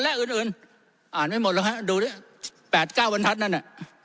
และอื่นอื่นอ่านไม่หมดแล้วฮะดูดิแปดเก้าวันทัศน์นั่นน่ะ